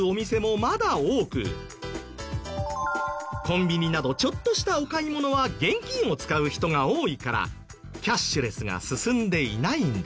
コンビニなどちょっとしたお買い物は現金を使う人が多いからキャッシュレスが進んでいないんです。